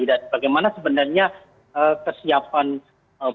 dan bagaimana sebenarnya kesiapan polda jawa tengah